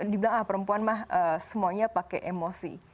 dibilang ah perempuan mah semuanya pakai emosi